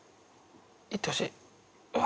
行ってほしいうわ。